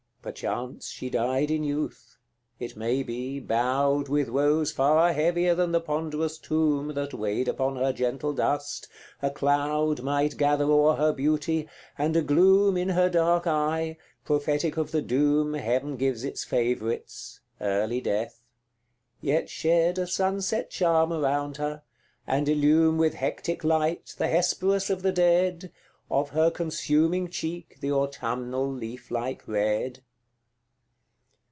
CII. Perchance she died in youth: it may be, bowed With woes far heavier than the ponderous tomb That weighed upon her gentle dust, a cloud Might gather o'er her beauty, and a gloom In her dark eye, prophetic of the doom Heaven gives its favourites early death; yet shed A sunset charm around her, and illume With hectic light, the Hesperus of the dead, Of her consuming cheek the autumnal leaf like red.